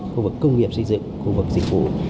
khu vực công nghiệp xây dựng khu vực dịch vụ